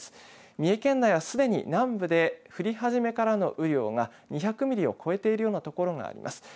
三重県内は、すでに南部で降り始めからの雨量が２００ミリを超えているようなところがあります。